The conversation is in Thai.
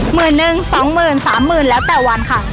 หมื่นหนึ่งสองหมื่นสามหมื่นแล้วแต่วันค่ะ